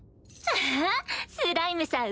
あスライムさん